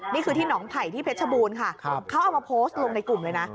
นี่คือที่หนองไผ่ที่เพชรบูรณ์ค่ะเขาเอามาโพสต์ลงในกลุ่มเลยนะ